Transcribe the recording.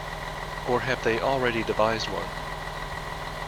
Or have they already devised one.